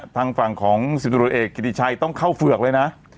ทางฝั่งของศิตุรเอกกิติชัยต้องเข้าเฝือกเลยนะ